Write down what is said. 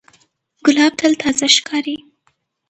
ګلاب تل تازه ښکاري.